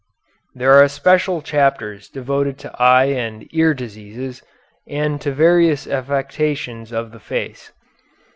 There are special chapters devoted to eye and ear diseases, and to various affections of the face.